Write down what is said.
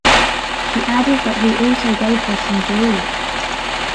She added that he also gave her some jewels.